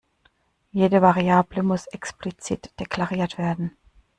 Jede Variable muss explizit deklariert werden.